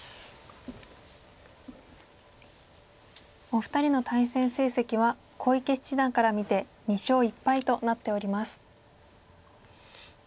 お二人の対戦成績は小池七段から見て２勝１敗となっております。